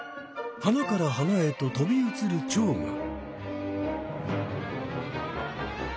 花から花へととび移るチョウが。